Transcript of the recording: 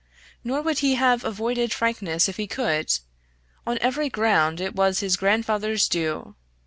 Nor would he have avoided frankness if he could. On every ground it was his grandfather's due.